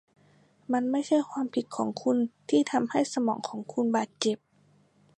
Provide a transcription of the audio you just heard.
มันไม่ใช่ความผิดของคุณที่ทำให้สมองของคุณบาดเจ็บ